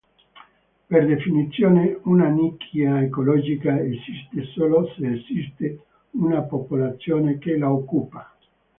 Per definizione una nicchia ecologica esiste solo se esiste una popolazione che la occupa.